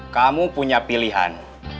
kamu punya pilihan